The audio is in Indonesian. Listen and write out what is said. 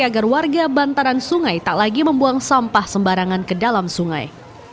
agar warga bantaran sungai tak lagi membuang sampah sembarangan ke dalam sungai